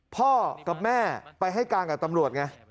พ่อกับแม่ไปให้การกับตำรวจไง